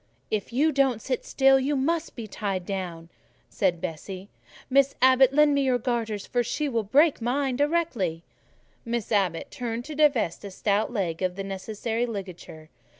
"If you don't sit still, you must be tied down," said Bessie. "Miss Abbot, lend me your garters; she would break mine directly." Miss Abbot turned to divest a stout leg of the necessary ligature.